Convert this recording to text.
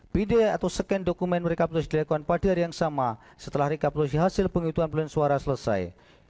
pida atau scan dokumen rekaputulasi dilakukan pada hari yang sama setelah rekaputulasi hasil penghitungan perlindungan suara selesai